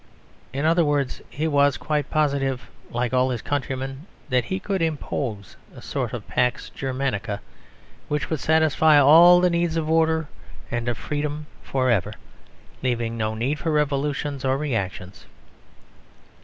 In other words he was quite positive, like all his countrymen, that he could impose a sort of Pax Germanica, which would satisfy all the needs of order and of freedom forever; leaving no need for revolutions or reactions.